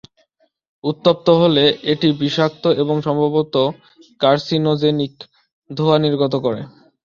উত্তপ্ত হলে এটি বিষাক্ত এবং সম্ভবত কার্সিনোজেনিক ধোঁয়া নির্গত করে।